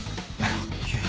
いや。